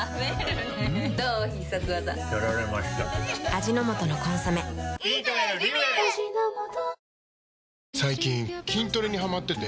味の素の「コンソメ」最近筋トレにハマってて。